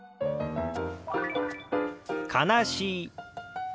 「悲しい」。